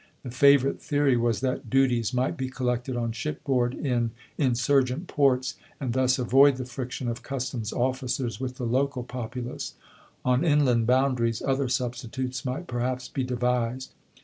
The favorite theory was that duties might be collected on shipboard in insurgent ports, and thus avoid the friction of customs officers with the local populace. On inland boundaries other substitutes might perhaps be devised.